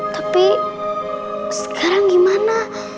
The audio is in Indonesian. tapi sekarang gimana